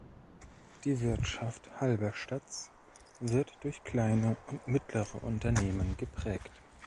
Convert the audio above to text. Die Wirtschaft Halberstadts wird durch kleine und mittlere Unternehmen geprägt.